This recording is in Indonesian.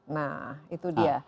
nah itu dia